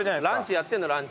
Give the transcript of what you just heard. ランチやってるの？